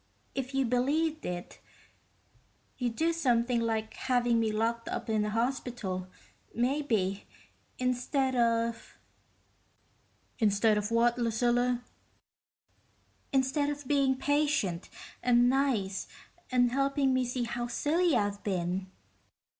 If you believed it, you'd do something like having me locked up in a hospital, maybe, instead of...." "Instead of what, Lucilla?" "Instead of being patient, and nice, and helping me see how silly I've been."